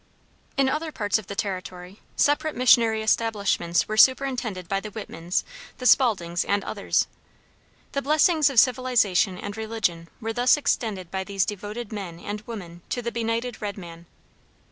In other parts of the territory, separate missionary establishments were superintended by the Whitmans, the Spauldings, and others. The blessings of civilization and religion were thus extended by these devoted men and women to the benighted red man.